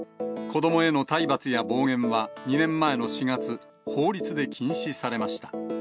子どもへの体罰や暴言は、２年前の４月、法律で禁止されました。